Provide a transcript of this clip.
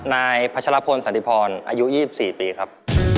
นายพัชรพลสันติพรอายุ๒๔ปีครับ